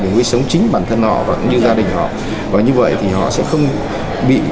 nuôi sống chính bản thân họ và cũng như gia đình họ và như vậy thì họ sẽ không bị